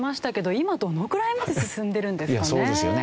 今どのくらいまで進んでるんですかね？